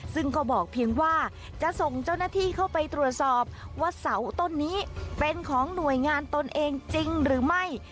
ซึ่งก็บอกเพียงว่าจะส่งเจ้าหน้าที่เข้าไปตรวจสอบว่าเสาต้นนี้เป็นของหน่วยงานตนเองจริงหรือไม่